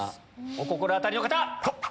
お心当たりの方！